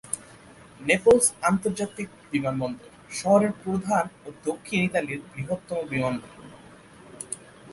Naples আন্তর্জাতিক বিমানবন্দর শহরের প্রধান ও দক্ষিণ ইতালির বৃহত্তম বিমানবন্দর।